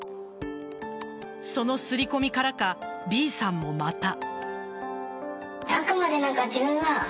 その刷り込みからかＢさんもまた。